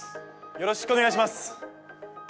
よろしくお願いします